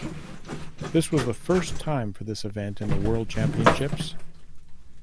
This was the first time for this event in the World Championships.